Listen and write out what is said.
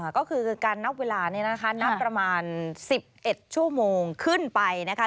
ก็คือการนับเวลานี้นะคะนับประมาณ๑๑ชั่วโมงขึ้นไปนะคะ